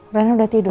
reina udah tidur